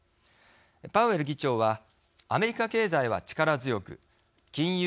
パウエル議長はアメリカ経済は力強く金融